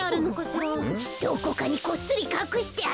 どこかにこっそりかくしてあるんじゃ？